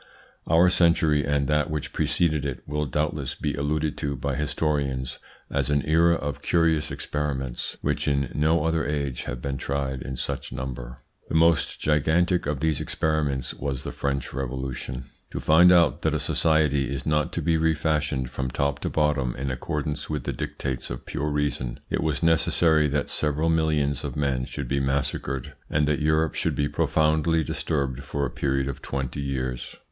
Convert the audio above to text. Our century and that which preceded it will doubtless be alluded to by historians as an era of curious experiments, which in no other age have been tried in such number. The most gigantic of these experiments was the French Revolution. To find out that a society is not to be refashioned from top to bottom in accordance with the dictates of pure reason, it was necessary that several millions of men should be massacred and that Europe should be profoundly disturbed for a period of twenty years.